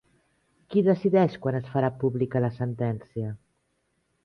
Qui decideix quan es farà pública la sentència?